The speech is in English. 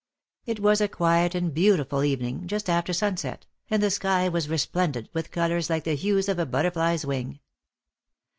It was a quiet and beautiful evening, just after sunset, and the sky was resplendent with colours like the hues of a butterfly's wing.